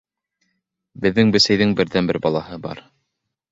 Беҙҙең бесәйҙең берҙән-бер балаһы бар.